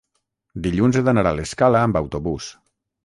dilluns he d'anar a l'Escala amb autobús.